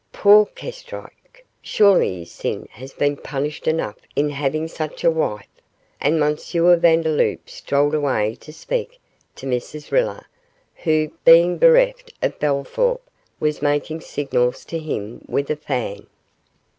Poor Kestrike, surely his sin has been punished enough in having such a wife,' and M. Vandeloup strolled away to speak to Mrs Riller, who, being bereft of Bellthorp, was making signals to him with her fan.